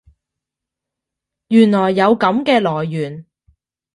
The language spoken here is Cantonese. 原來有噉嘅來源